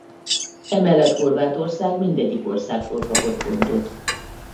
Emellett Horvátország mindegyik országtól kapott pontot.